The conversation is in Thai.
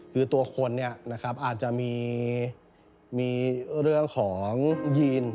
คือตัวคนอาจจะมีเรื่องของยีน